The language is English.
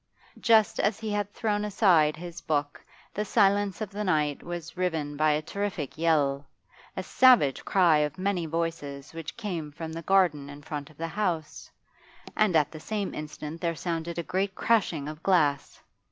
Just as he had thrown aside his book the silence of the night was riven by a terrific yell, a savage cry of many voices, which came from the garden in the front of the house, and at the same instant there sounded a great crashing of glass.